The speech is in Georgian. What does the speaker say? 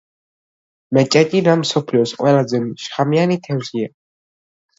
მეჭეჭიანა მსოფლიოს ყველაზე შხამიანი თევზია.